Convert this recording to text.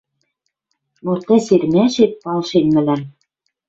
Но тӹ сирмӓшет палшен мӹлӓм